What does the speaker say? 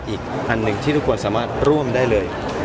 อีกอย่างอื่นที่ทุกคนจะได้ร่วมได้เลย